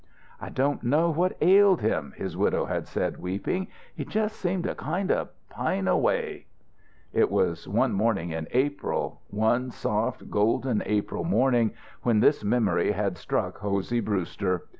"I don't know what ailed him," his widow had said, weeping. "He just seemed to kind of pine away." It was one morning in April one soft, golden April morning when this memory had struck Hosey Brewster.